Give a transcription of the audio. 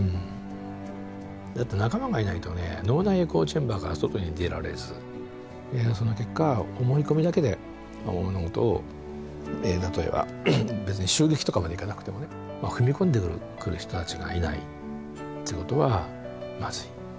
だって仲間がいないとね脳内エコーチェンバーから外に出られずその結果思い込みだけで思うと例えば別に襲撃とかまでいかなくてもね踏み込んでくる人たちがいないってことはまずい。